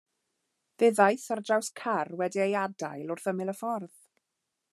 Fe ddaeth ar draws car wedi ei adael wrth ymyl y ffordd.